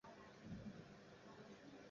母许氏。